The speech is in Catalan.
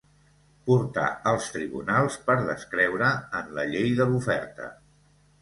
Portat als tribunals per descreure en la llei de l'oferta.